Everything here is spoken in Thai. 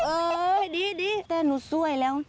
ดีแต่หนูสวยแล้ว